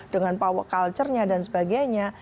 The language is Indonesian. dengan power culture nya dan sebagainya